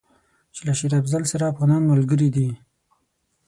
چې له شېر افضل سره افغانان ملګري دي.